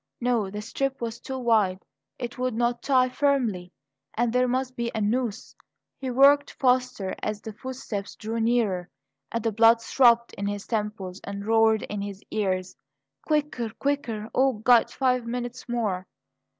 No; the strip was too wide; it would not tie firmly; and there must be a noose. He worked faster as the footsteps drew nearer; and the blood throbbed in his temples and roared in his ears. Quicker quicker! Oh, God! five minutes more!